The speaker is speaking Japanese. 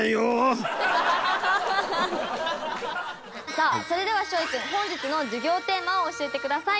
さあそれでは梢位君本日の授業テーマを教えてください。